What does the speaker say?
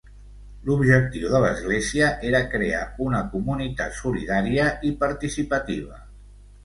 L'objectiu de l'església era crear una comunitat solidària i participativa.